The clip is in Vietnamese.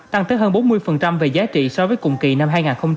tăng tới hơn bốn mươi về giá trị so với cùng kỳ năm hai nghìn hai mươi ba